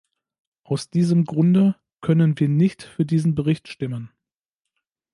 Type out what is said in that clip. Aus diesem Grunde können wir nicht für diesen Bericht stimmen.